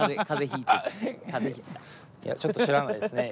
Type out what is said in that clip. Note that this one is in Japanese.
「いやちょっと知らないですね」。